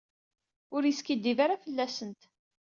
Ur yeskiddib ara fell-asent.